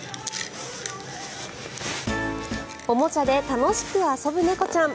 おもちゃで楽しく遊ぶ猫ちゃん。